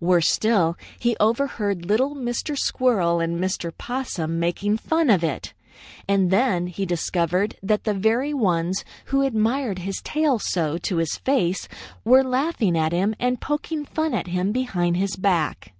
Worse still, he overheard little Mr. Squirrel and Mr. Possum making fun of it. And then he discovered that the very ones who admired his tail so to his face were laughing at him and poking fun at him behind his back.